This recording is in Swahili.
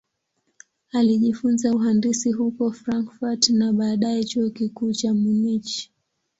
Alijifunza uhandisi huko Frankfurt na baadaye Chuo Kikuu cha Munich.